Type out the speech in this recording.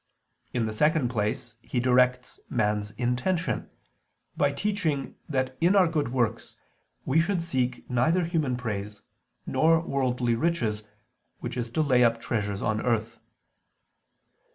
In the second place He directs man's intention, by teaching that in our good works, we should seek neither human praise, nor worldly riches, which is to lay up treasures on earth.